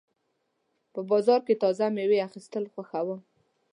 په بازار کې تازه مېوې اخیستل خوښوم.